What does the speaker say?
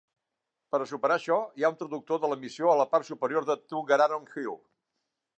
Per a superar això, hi ha un traductor d'emissió a la part superior de Tuggeranong Hill.